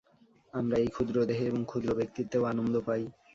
আমরা এই ক্ষুদ্র দেহে এবং ক্ষুদ্র ব্যক্তিত্বেও আনন্দ পাই।